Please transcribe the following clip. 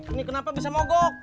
ini kenapa bisa mogok